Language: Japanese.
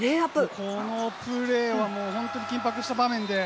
このプレーはもう、本当に緊迫した場面で。